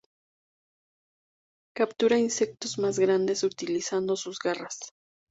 Captura insectos más grandes utilizando sus garras.